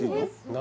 何？